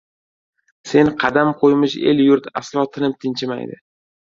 Sen qadam qo‘ymish el-yurt aslo tinib-tinchimaydi.